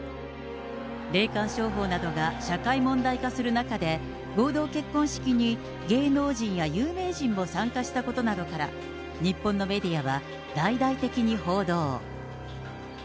霊感商法などが社会問題化する中で、合同結婚式に芸能人や有名人も参加したことなどから、日本のメディアは大々的に報道。